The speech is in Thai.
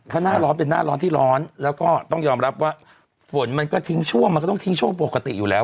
ถ้าหน้าร้อนเป็นหน้าร้อนที่ร้อนแล้วก็ต้องยอมรับว่าฝนมันก็ทิ้งช่วงมันก็ต้องทิ้งช่วงปกติอยู่แล้ว